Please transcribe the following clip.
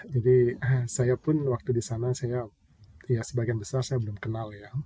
jadi saya pun waktu di sana saya ya sebagian besar saya belum kenal ya